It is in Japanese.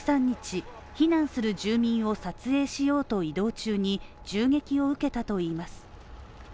１３日、避難する住民を撮影しようと移動中に銃撃を受けたといいます。